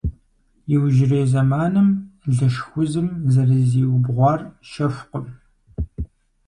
Иужьрей зэманым лышх узым зэрызиубгъуар щэхукъым.